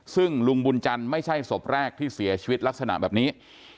ซึ่งลุงบุญจันทร์ไม่ใช่ศพแรกที่เสียชีวิตลักษณะแบบนี้